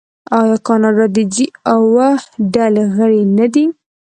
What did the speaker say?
آیا کاناډا د جي اوه ډلې غړی نه دی؟